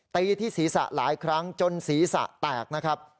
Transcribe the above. ตีที่ศีรษะหลายครั้งจนศีรษะแตกนะครับ